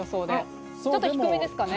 ちょっと低めですかね。